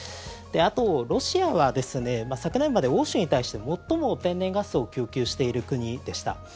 あとロシアは昨年まで欧州に対して最も天然ガスを供給している国でした。